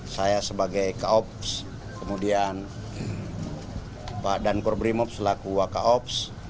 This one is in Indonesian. saya sebagai kaops kemudian pak dankor brimops laku wakaops